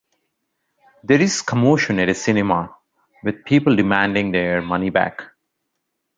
There is commotion at a cinema, with people demanding their money back.